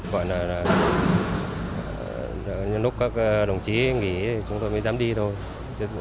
gọi là những lúc các đồng chí nghỉ thì chúng tôi mới dám đi thôi